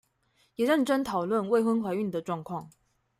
也認真討論未婚懷孕的狀況